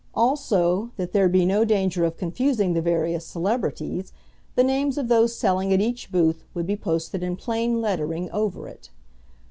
Also, that there be no danger of confusing the various celebrities, the names of those selling at each booth would be posted in plain lettering over it.